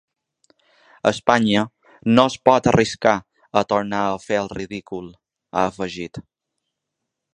Espanya no es pot arriscar a tornar a fer el ridícul, ha afegit.